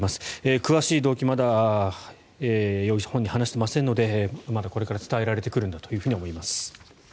詳しい動機はまだ容疑者本人話してませんのでまだこれから伝えられてくるんだと思います。